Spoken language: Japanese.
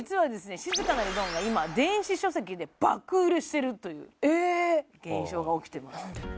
「静かなるドン」が今電子書籍で爆売れしてるという現象が起きてます